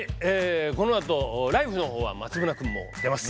このあと「ＬＩＦＥ！」のほうは松村君も出ます。